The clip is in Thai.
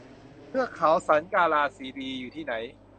เทือกเขาสันกาลาคีรี อยู่ที่ไหน